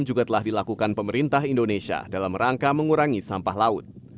juga telah dilakukan pemerintah indonesia dalam rangka mengurangi sampah laut